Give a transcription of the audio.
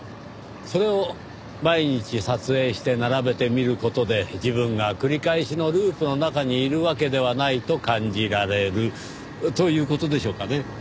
それを毎日撮影して並べて見る事で自分が繰り返しのループの中にいるわけではないと感じられるという事でしょうかね？